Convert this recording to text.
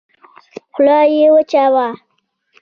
خوله يې وچه وه.